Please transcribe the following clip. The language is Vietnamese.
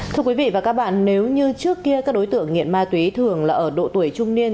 thưa quý vị và các bạn nếu như trước kia các đối tượng nghiện ma túy thường là ở độ tuổi trung niên